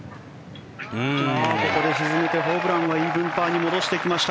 ここでホブランもイーブンパーに戻してきました